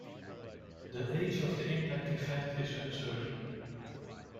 The age of the impact event is uncertain.